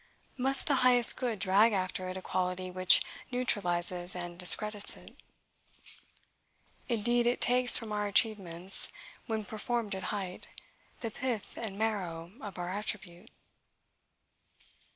Must the highest good drag after it a quality which neutralizes and discredits it? "Indeed it takes From our achievements, when performed at height, The pith and marrow of our attribute."